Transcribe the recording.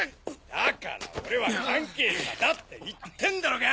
だから俺は関係者だって言ってんだろうが！